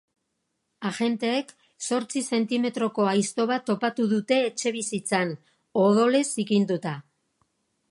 Agenteek zortzi zentimetroko aizto bat topatu dute etxebizitzan, odolez zikinduta.